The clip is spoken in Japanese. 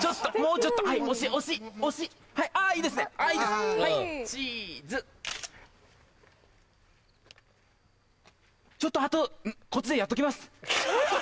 ちょっとあとこっちでやっときます。